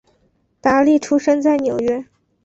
达利出生在纽约。